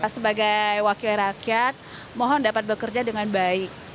sebagai wakil rakyat mohon dapat bekerja dengan baik